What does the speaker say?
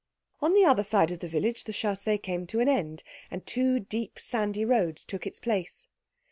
On the other side of the village the chaussée came to an end, and two deep, sandy roads took its place.